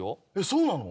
そうなの？